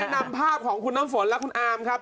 นำภาพของคุณน้ำฝนและคุณอามครับ